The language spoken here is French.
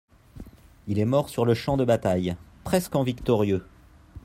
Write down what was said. Il est mort sur le champ de bataille, presque en victorieux.